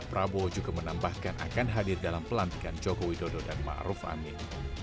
prabowo juga menambahkan akan hadir dalam pelantikan jokowi dodo dan maruf amin